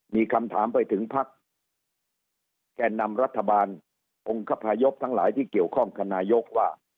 มีคำถามไปถึงพักแก่นำรัฐบาลองคพยพทั้งหลายที่เกี่ยวข้องกับนายกว่า